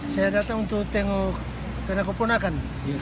saya datang untuk tengok penakoponakan